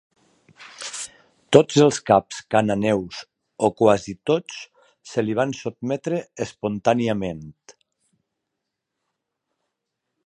Tots els caps cananeus o quasi tots se li van sotmetre espontàniament.